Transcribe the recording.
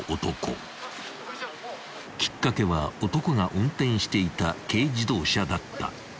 ［きっかけは男が運転していた軽自動車だった］